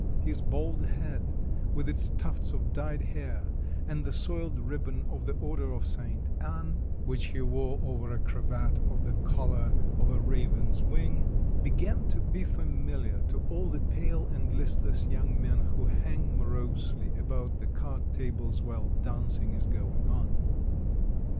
His bald head with its tufts of dyed hair, and the soiled ribbon of the Order of St. Anne which he wore over a cravat of the colour of a raven's wing, began to be familiar to all the pale and listless young men who hang morosely about the card tables while dancing is going on.